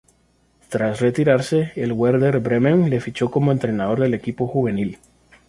Tras retirarse, el Werder Bremen le fichó como entrenador del equipo juvenil.